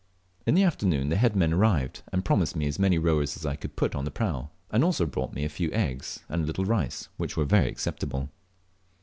In the afternoon the head men arrived, and promised me as many rowers as I could put on the prau, and also brought me a few eggs and a little rice, which were very acceptable.